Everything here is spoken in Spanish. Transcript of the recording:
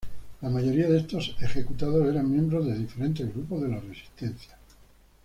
La mayoría de estos ejecutados eran miembros de diferentes grupos de la Resistencia.